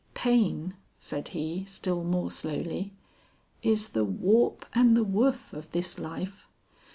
"Pain," said he still more slowly, "is the warp and the woof of this life.